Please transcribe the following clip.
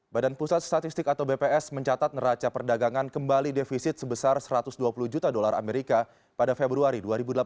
badan pusat statistik atau bps mencatat neraca perdagangan kembali defisit sebesar satu ratus dua puluh juta dolar amerika pada februari dua ribu delapan belas